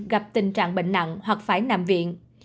gặp tình trạng bệnh nặng hoặc phải nằm viện